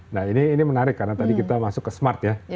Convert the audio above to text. nah ini menarik karena tadi kita masuk ke smart ya